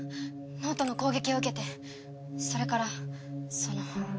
脳人の攻撃を受けてそれからその。